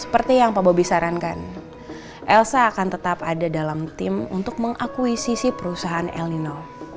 seperti yang pak bobi sarankan elsa akan tetap ada dalam tim untuk mengakuisisi perusahaan el nino